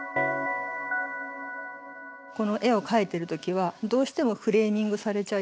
この絵を描いている時はどうしてもフレーミングされちゃいますよね。